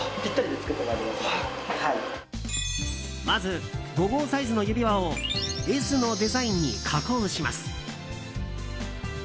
まず、５号サイズの指輪をＳのデザインに加工します。